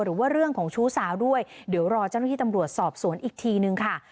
หรือว่าเรื่องของชู้สาวด้วยเดี๋ยวรอเจ้าหน้าที่ตำรวจสอบสวนอีกทีนึงค่ะ